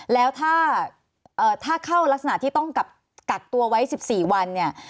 แล้วถ้าเข้ารักษณะที่ต้องกักตัวไว้๑๔วันเนี่ย